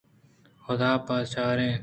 حُدا ءَ بِہ چار